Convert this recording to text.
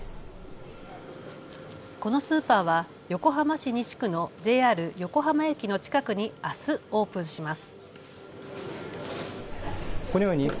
このスーパーは横浜市西区のＪＲ横浜駅の近くにあすオープンします。